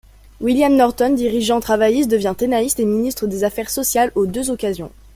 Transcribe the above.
William Norton, dirigeant travailliste devint Tánaiste et Ministre des Affaires sociales aux deux occasions.